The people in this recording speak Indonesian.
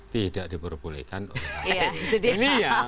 tidak diperbolehkan oleh hakim